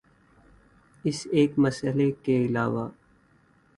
اس ایک مسئلے کے علاوہ